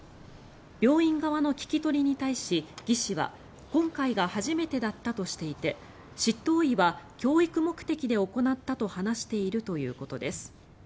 病院側の聞き取りに対し、技士は今回が初めてだったとしていて執刀医は教育目的で行ったと話しているということです。